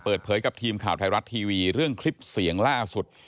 เปิดเผยกับทีมข่าวไทยรัฐทีวีเรื่องคลิปเสียงล่าสุด